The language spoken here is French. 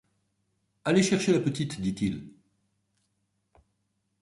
Allez chercher la petite, dit-il.